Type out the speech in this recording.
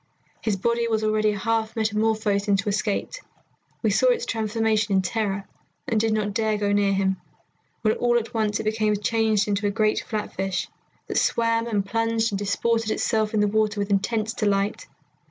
His body was already half metamorphosed into a skate. We saw its transformation in terror, and did not dare to go near him, when all at once it became changed into a great flatfish, that swam and plunged and disported itself in the water with intense delight.